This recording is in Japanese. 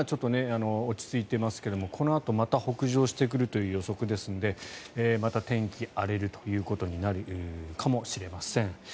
いったん離れて今、落ち着いていますがこのあと、また北上してくるという予測ですのでまた天気、荒れるということになるかもしれません。